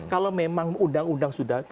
kalau memang undang undang sudah